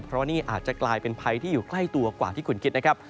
เพราะว่านี่อาจจะกลายเป็นภัยที่อยู่ใกล้ตัวกว่าที่คุณคิดนะครับ